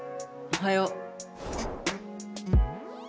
おはよう。